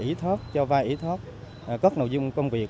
đã thực hiện ủy thoát cho vai ủy thoát cóc nội dung công việc